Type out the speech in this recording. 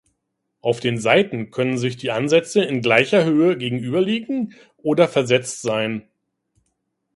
Auf den Seiten können sich die Ansätze in gleicher Höhe gegenüberliegen oder versetzt sein.